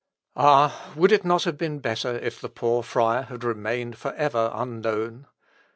Ah! would it not have been better if the poor friar had remained for ever unknown?